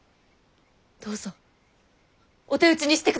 どうぞお手討ちにしてくださいませ。